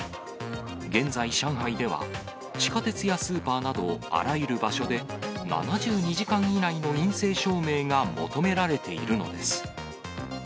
現在、上海では地下鉄やスーパーなど、あらゆる場所で、７２時間以内の陰性証明が求められているのです。